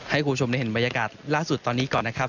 ให้คุณผู้ชมได้เห็นบรรยากาศล่าสุดตอนนี้ก่อนนะครับ